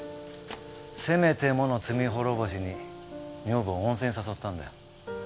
せめてもの罪滅ぼしに女房を温泉に誘ったんだよ。